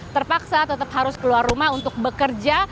terpaksa tetap harus keluar rumah untuk bekerja